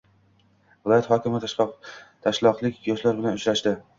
Viloyat hokimi toshloqlik yoshlar bilan uchrashdi